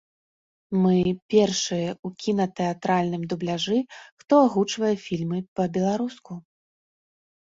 Мы першыя ў кінатэатральным дубляжы, хто агучвае фільмы па-беларуску.